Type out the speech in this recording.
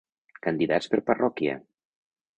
Candidats per parròquia.